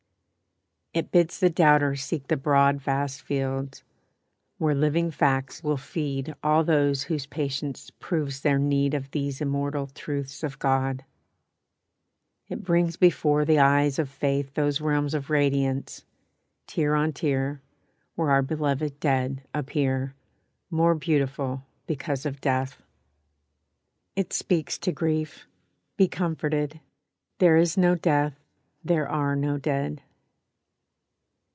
It bids the doubter seek the broad Vast fields, where living facts will feed All those whose patience proves their need Of these immortal truths of God. It brings before the eyes of faith Those realms of radiance, tier on tier, Where our beloved "dead" appear, More beautiful because of "death." It speaks to grief: "Be comforted; There is no death, there are no dead."